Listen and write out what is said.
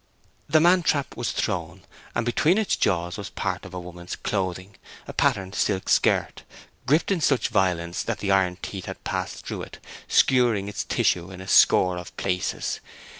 The man trap was thrown; and between its jaws was part of a woman's clothing—a patterned silk skirt—gripped with such violence that the iron teeth had passed through it, skewering its tissue in a score of places.